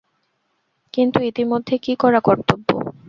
কিন্তু ইতিমধ্যে কী করা কর্তব্য।